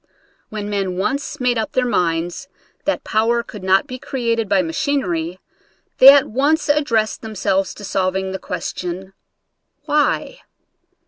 When men once made up their minds that power could not be created by machinery, they at once addressed themselves to solving the question — Why?